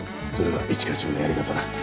これが一課長のやり方だ。